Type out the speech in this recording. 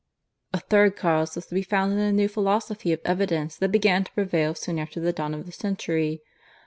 "A third cause was to be found in the new philosophy of evidence that began to prevail soon after the dawn of the century.